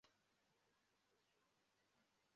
Imbwa ebyiri mumazi nkumugabo ureba hejuru